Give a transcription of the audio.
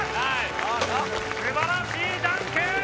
素晴らしいダンク！